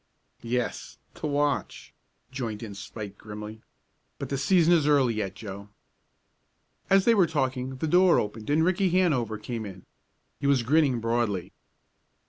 "Yes to watch," joined in Spike, grimly. "But the season is early yet, Joe." As they were talking the door opened and Ricky Hanover came in. He was grinning broadly.